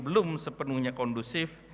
belum sepenuhnya kondusif